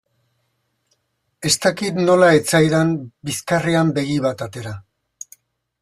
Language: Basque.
Ez dakit nola ez zaidan bizkarrean begi bat atera.